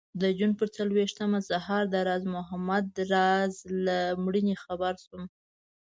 د جون پر څلرویشتمه سهار د راز محمد راز له مړینې خبر شوم.